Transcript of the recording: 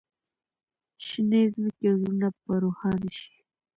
شینې ځمکې او زړونه په روښانه شي.